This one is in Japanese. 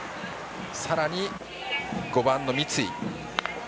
さらに５番の三井。